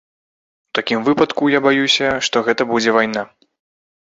У такім выпадку, я баюся, што гэта будзе вайна.